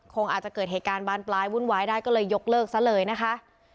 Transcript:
คงอาจจะเกิดเหตุการณ์บานปลายวุ่นวายได้ก็เลยยกเลิกซะเลยนะคะ